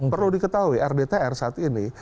perlu diketahui rdtr saat ini